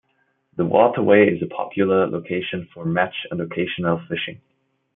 The waterway is a popular location for match and occasional fishing.